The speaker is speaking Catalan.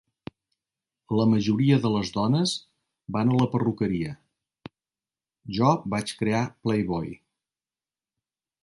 La majoria de les dones van a la perruqueria. Jo vaig crear "Playboy".